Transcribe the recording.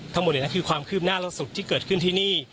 ทั้งหมดนี้คือความคืบหน้าล่าสุดที่เกิดขึ้นที่นี่